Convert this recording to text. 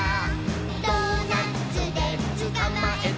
「ドーナツでつかまえた！」